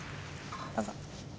どうぞ。